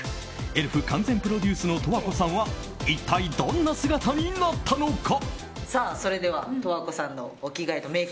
エルフ完全プロデュースの十和子さんは一体どんな姿になったのか。